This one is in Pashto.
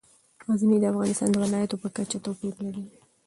غزني د افغانستان د ولایاتو په کچه توپیر لري.